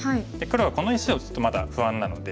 黒はこの石をちょっとまだ不安なので。